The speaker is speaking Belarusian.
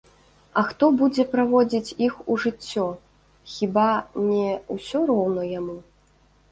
А хто будзе праводзіць іх у жыццё, хіба не ўсё роўна яму?